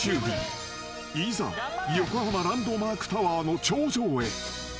［いざ横浜ランドマークタワーの頂上へ］